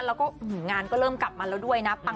แล้วก็งานก็เริ่มกลับมาแล้วด้วยนะ